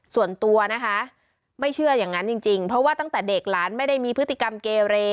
ส่วนตัวนะคะไม่เชื่ออย่างนั้นจริงเพราะว่าตั้งแต่เด็กหลานไม่ได้มีพฤติกรรมเกเร